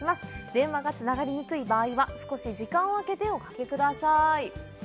電話がつながりにくい場合は少し時間をあけておかけください。